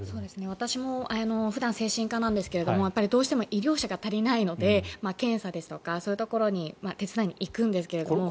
私も普段精神科なんですがどうしても医療者が足りないので検査ですとかそういったところに手伝いに行くんですが。